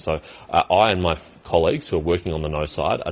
jadi saya dan rakyat yang bekerja di sisi tidak